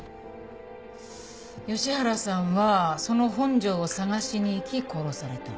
吉原さんはその本庄を捜しに行き殺された。